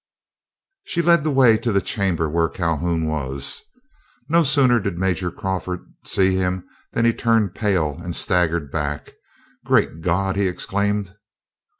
She led the way to the chamber where Calhoun was. No sooner did Major Crawford see him than he turned pale and staggered back, "Great God!" he exclaimed.